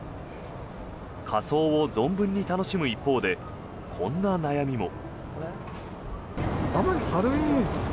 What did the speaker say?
仮装を存分に楽しむ一方でこんな悩みも。